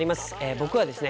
僕はですね